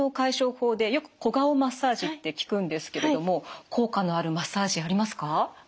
法でよく小顔マッサージって聞くんですけれども効果のあるマッサージありますか？